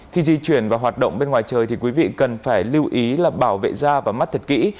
khi di chuyển và hoạt động bên ngoài trời thì quý vị cần phải lưu ý là bảo vệ da và mắt thật kỹ